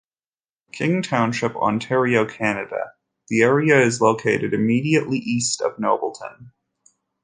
King Township, Ontario, Canada.The area is located immediately east of Nobleton.